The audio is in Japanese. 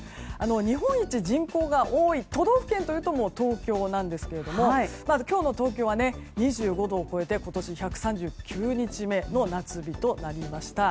日本一人口が多い都道府県というと東京なんですけども今日の東京は２５度を超えて今年１３９日目の夏日でした。